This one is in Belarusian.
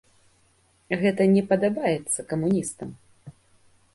Гэта не падабаецца камуністам.